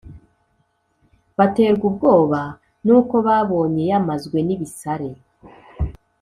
Baterwa ubwoba n'uko babonye yamazwe n'ibisare,